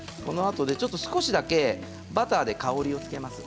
少しだけバターで香りをつけます。